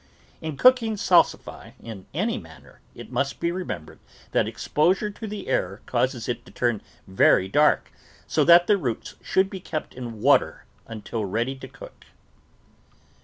In cooking salsify in any manner, it must be remembered that exposure to the air causes it to turn very dark, so that the roots should be kept in water until ready to cook.